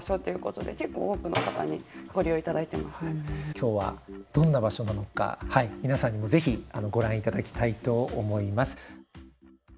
今日はどんな場所なのか皆さんにも是非ご覧いただきたいと思います。